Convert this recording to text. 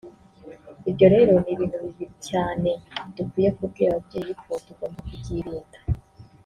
Ibyo rero ni ibintu bibi cyane dukwiye kubwira ababyeyi ko tugomba kubyirinda